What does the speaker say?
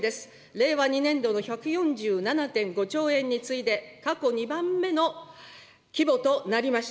令和２年度の１４７．５兆円に次いで、過去２番目の規模となりました。